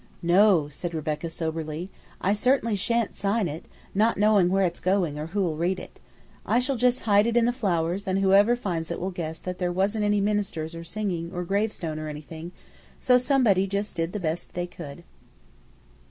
"No," said Rebecca soberly. "I certainly shan't sign it, not knowing where it's going or who'll read it. I shall just hide it in the flowers, and whoever finds it will guess that there wasn't any minister or singing, or gravestone, or anything, so somebody just did the best they could."